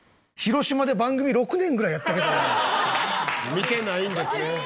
見てないんですね。